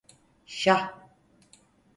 Şah!